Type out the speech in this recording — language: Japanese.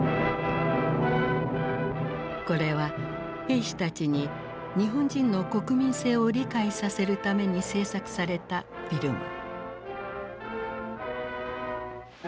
これは兵士たちに日本人の国民性を理解させるために制作されたフィルム。